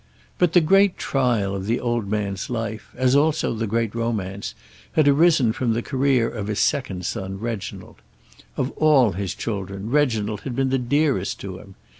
But the great trial of the old man's life, as also the great romance, had arisen from the career of his second son, Reginald. Of all his children, Reginald had been the dearest to him.